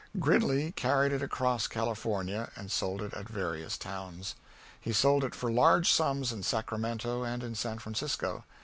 Gridley carried it across California and sold it at various towns. He sold it for large sums in Sacramento and in San Francisco.